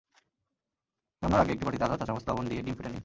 রান্নার আগে একটি বাটিতে আধা চা–চামচ লবণ দিয়ে ডিম ফেটে নিন।